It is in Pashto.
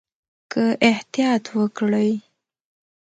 که احتیاط وکړئ